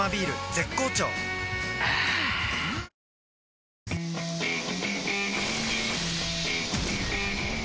絶好調あぁプシューッ！